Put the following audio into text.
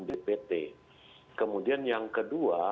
dpt kemudian yang kedua